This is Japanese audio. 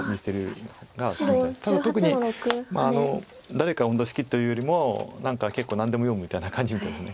多分特に誰か本当好きというよりも何か結構何でも読むみたいな感じみたいです。